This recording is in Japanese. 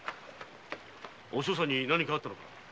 お師匠さんに何かあったのか？